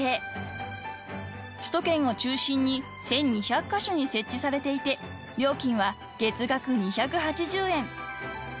［首都圏を中心に１，２００カ所に設置されていて料金は月額２８０円］